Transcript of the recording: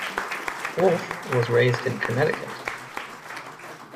Wolfe was raised in Connecticut.